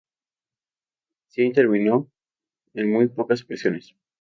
La policía intervino en muy pocas ocasiones.